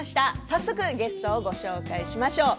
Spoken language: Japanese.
早速ゲストをご紹介しましょう。